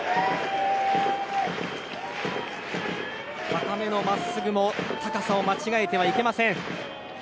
高めの真っすぐも高さを間違えてはいけません。